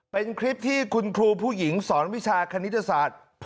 เป็นคลิปที่คุณครูผู้หญิงสอนวิชาคณิตศาสตร์